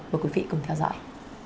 mời quý vị cùng theo dõi